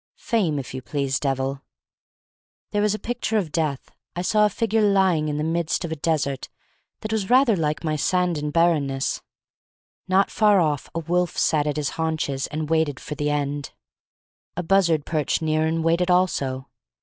Fame, if you please, Devil. There was a picture of Death. I saw a figure lying in the midst of a desert that was rather like my sand and bar renness. Not far off a wolf sat on his haunches and waited for the end. A buzzard perched near and waited also.